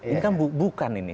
ini kan bukan ini